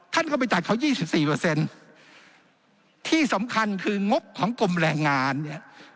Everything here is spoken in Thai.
ท่านก็ไปจ่ายเขายี่สิบสี่เปอร์เซ็นต์ที่สำคัญคืองบของกรมแรงงานเนี่ย